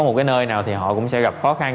một cái nơi nào thì họ cũng sẽ gặp khó khăn